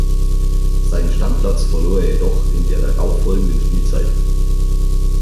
Seinen Stammplatz verlor er jedoch in der darauf folgenden Spielzeit.